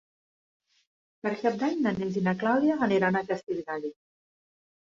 Per Cap d'Any na Neus i na Clàudia aniran a Castellgalí.